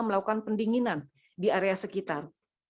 melakukan pendinginan di area sekitar